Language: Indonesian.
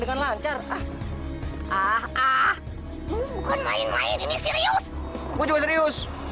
dengan lancar ah ah ah bukan main main ini serius